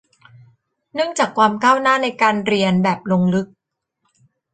เนื่องจากความก้าวหน้าในการเรียนแบบลงลึก